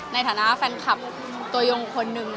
ในฐานะแฟนคลับตัวยงคนหนึ่ง